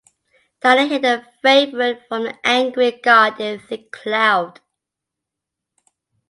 Diana hid her favorite from the angry god in a thick cloud.